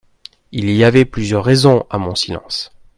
Il y avait plusieurs raisons a mon silence.